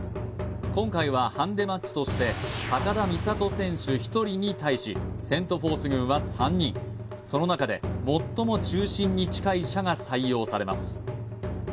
今回はハンデマッチとして高田実怜選手１人に対しセント・フォース軍は３人その中で最も中心に近い射が採用されます